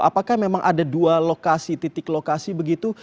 apakah memang ada dua lokasi titik lokasi begitu